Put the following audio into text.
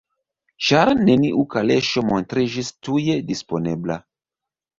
Ĉar neniu kaleŝo montriĝis tuje disponebla: